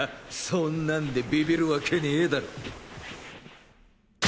そんなんでビビるわけねぇだろ。